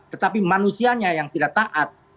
tetapi manusianya yang tidak taat